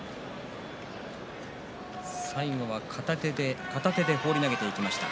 最後は片手で放り投げていきました。